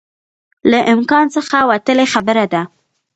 له امکان څخه وتلی خبره ده